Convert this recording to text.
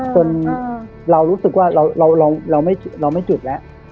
จนเรารู้สึกว่าเราไม่จุดแล้ว